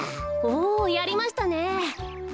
おやりましたね。